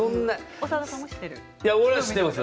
長田さんも知ってます？